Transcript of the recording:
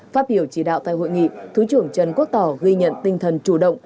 phát biểu chỉ đạo tại hội nghị thứ trưởng trần quốc tỏ ghi nhận tinh thần chủ động